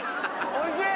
おいしい！